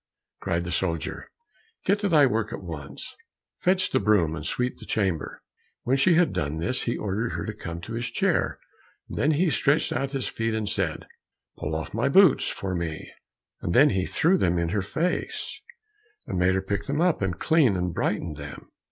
cried the soldier, "get to thy work at once! Fetch the broom and sweep the chamber." When she had done this, he ordered her to come to his chair, and then he stretched out his feet and said, "Pull off my boots for me," and then he threw them in her face, and made her pick them up again, and clean and brighten them.